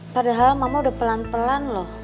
padahal mama udah pelan pelan loh